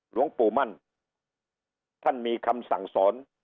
หลวงปู่มั่นท่านมีคำสั่งสอน